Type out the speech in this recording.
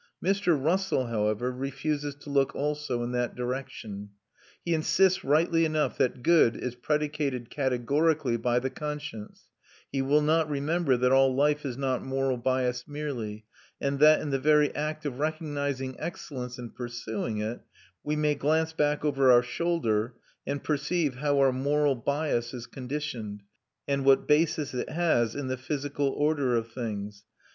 Mr. Russell, however, refuses to look also in that direction. He insists, rightly enough, that good is predicated categorically by the conscience; he will not remember that all life is not moral bias merely, and that, in the very act of recognising excellence and pursuing it, we may glance back over our shoulder and perceive how our moral bias is conditioned, and what basis it has in the physical order of things.